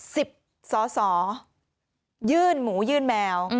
สอสอยื่นหมูยื่นแมว